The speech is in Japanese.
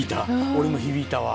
俺も響いたわ。